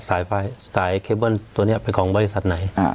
สายเคเบิ้ลตัวนี้เป็นของบริษัทไหน